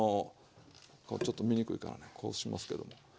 ちょっと見にくいからこうしますけども。